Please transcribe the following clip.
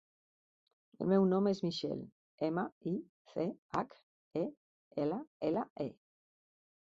El meu nom és Michelle: ema, i, ce, hac, e, ela, ela, e.